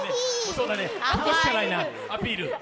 そうだね、そこしかないな、アピール。